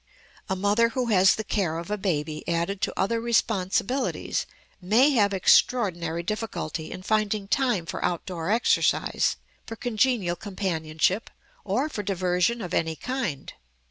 A mother who has the care of a baby added to other responsibilities may have extraordinary difficulty in finding time for outdoor exercise, for congenial companionship, or for diversion of any kind.